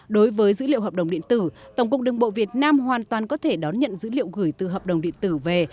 đối với dữ liệu hợp đồng điện tử tổng cục đường bộ việt nam hoàn toàn có thể đón nhận dữ liệu gửi từ hợp đồng điện tử về